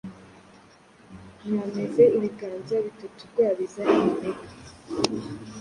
Mwameze ibiganza bitatugwabiza iminega